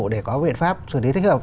để có biện pháp xử lý thích hợp